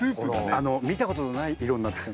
見たことのない色になってきた。